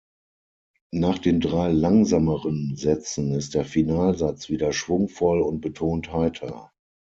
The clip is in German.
Nach den drei langsameren Sätzen ist der Finalsatz wieder schwungvoll und betont heiter.